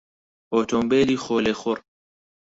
ئۆتۆمبێلی خۆلێخوڕ